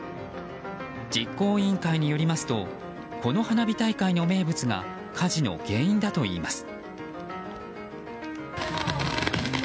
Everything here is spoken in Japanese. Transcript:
実行委員会によりますとこの花火大会の名物が火事の原因だといいます。